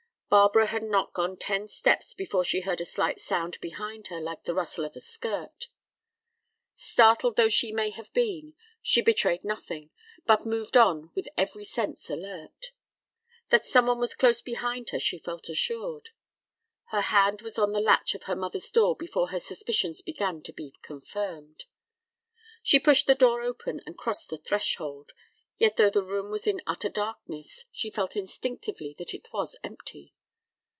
Barbara had not gone ten steps before she heard a slight sound behind her like the rustle of a skirt. Startled though she may have been, she betrayed nothing, but moved on with every sense alert. That some one was close behind her she felt assured. Her hand was on the latch of her mother's door before her suspicions began to be confirmed. She pushed the door open and crossed the threshold; yet though the room was in utter darkness, she felt instinctively that it was empty.